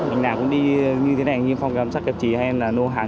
mình nào cũng đi như thế này như phong cách giám sát kẹp trí hay là nô hàng